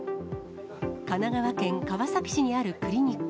神奈川県川崎市にあるクリニック。